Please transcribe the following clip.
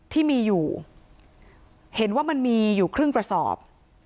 ที่มีอยู่เห็นว่ามันมีอยู่ครึ่งกระสอบ